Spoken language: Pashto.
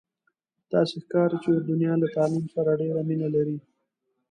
داسې ښکاري چې اردنیان له تعلیم سره ډېره مینه لري.